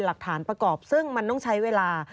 หลักฐานประกอบซึ่งมันต้องใช้เวลา